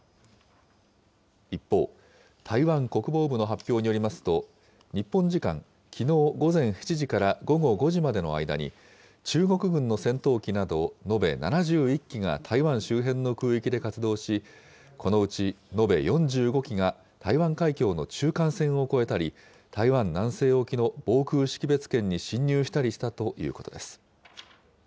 一方、台湾国防部の発表によりますと、日本時間きのう午前７時から午後５時までの間に、中国軍の戦闘機など延べ７１機が台湾周辺の空域で活動し、このうち延べ４５機が台湾海峡の中間線を越えたり、台湾南西沖の防空識別圏に進入したりしたということです。